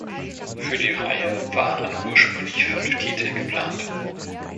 Für die Reihe waren ursprünglich fünf Titel geplant.